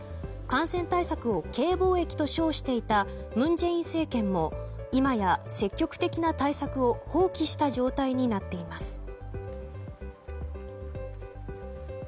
感染対策をＫ防疫と称していた文在寅政権も今や積極的な対策を放棄した状態になっています。